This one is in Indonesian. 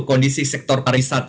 kondisi sektor pariwisata